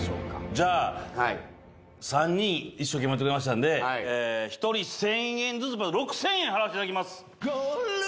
じゃあ３人一生懸命やってくれましたんで１人１０００円ずつ６０００円払わせていただきます。